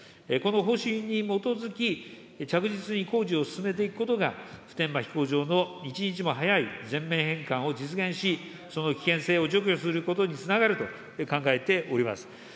この方針に基づき、着実に工事を進めていくことが、普天間飛行場の一日も早い全面返還を実現し、その危険性を除去することにつながると考えております。